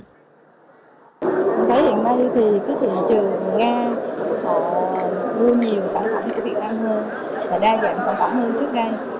tôi thấy hiện nay thì các thị trường nga họ đua nhiều sản phẩm của việt nam hơn và đa dạng sản phẩm hơn trước đây